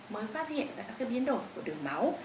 mới phát hiện ra các biến đổi của đường máu